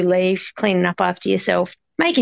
dan ketat taman dia juga merkawak